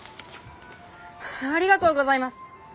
ありがとうございます！